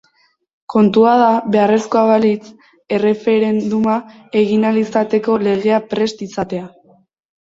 Kontua da, beharko balitz, erreferenduma egin ahal izateko legea prest izatea.